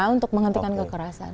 untuk menghentikan kekerasan